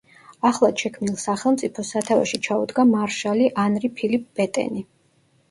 ახლად შექმნილ სახელმწიფოს სათავეში ჩაუდგა მარშალი ანრი ფილიპ პეტენი.